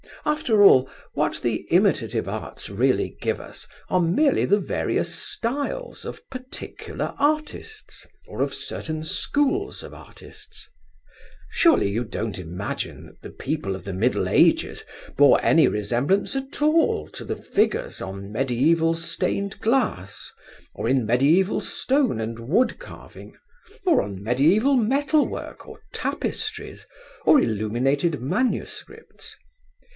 After all, what the imitative arts really give us are merely the various styles of particular artists, or of certain schools of artists. Surely you don't imagine that the people of the Middle Ages bore any resemblance at all to the figures on mediæval stained glass, or in mediæval stone and wood carving, or on mediæval metal work, or tapestries, or illuminated MSS.